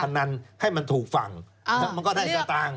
นันให้มันถูกฝั่งมันก็ได้สตางค์